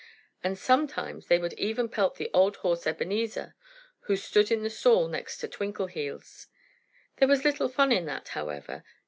And sometimes they would even pelt the old horse Ebenezer, who stood in the stall next to Twinkleheels. There was little fun in that, however.